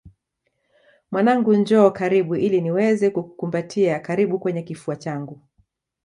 Mwanangu njoo karibu ili niweze kukukumbatia karibu kwenye kifua changu